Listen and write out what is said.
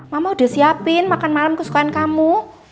mama udah siapin makan malam kesukaan kamu